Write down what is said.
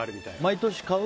毎年買う？